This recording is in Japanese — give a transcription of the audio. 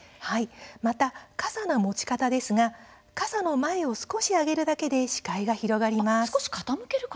また傘の持ち方ですが傘の前を少し上げるだけで視界が広がります。